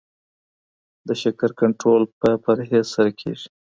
د شکر کنټرول په پرهیز سره کیږي.